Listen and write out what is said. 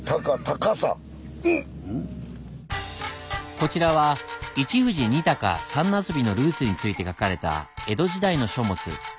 こちらは「一富士・二鷹・三茄子」のルーツについて書かれた江戸時代の書物。